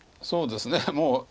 そうですねもう。